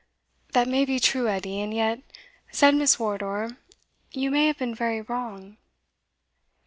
"That may be true, Edie, and yet," said Miss Wardour, "you may have been very wrong."